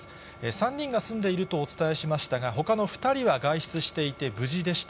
３人が住んでいるとお伝えしましたが、ほかの２人は外出していて無事でした。